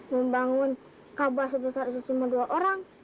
membangun kabah sebesar itu cuma dua orang